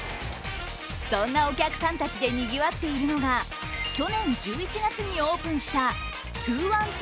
そんなお客さんたちでにぎわっているのが去年１１月にオープンした２１２